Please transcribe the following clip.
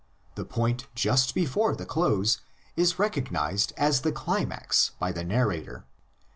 The point just before the close is recognised as the climax by the narrator.